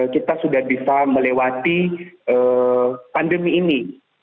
kita sudah bisa melewati pandemi ini